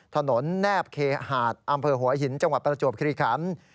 แนบเคหาดอำเภอหัวหินจังหวัดประจวบคิริขัน